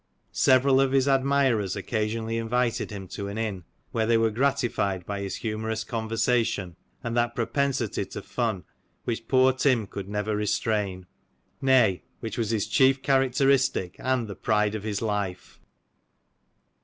Several of his admirers occasionally invited him to an inn, where they were gratified by his humourous conversation, and that propensity to fun, which poor Tim could never restrain ; nay, which was his chief characteristic, and the pride of his life.